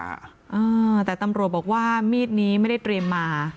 อ่าแต่ตำรวจบอกว่ามีดนี้ไม่ได้เตรียมมา